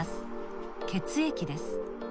血液です。